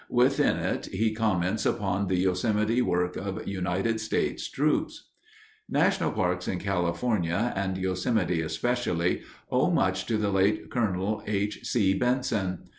Within it he comments upon the Yosemite work of United States troops. National Parks in California, and Yosemite especially, owe much to the late Colonel H. C. Benson.